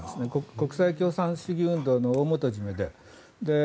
国際共産主義運動の大元締で。